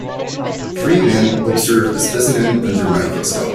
Three men observe a specimen under a microscope.